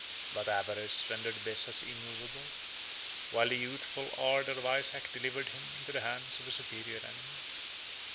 But avarice rendered Bessas immovable; while the youthful ardor of Isaac delivered him into the hands of a superior enemy.